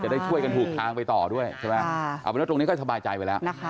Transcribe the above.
ช่วยกันถูกทางไปต่อด้วยเอาไปแล้วตรงนี้ก็สบายใจไปแล้ว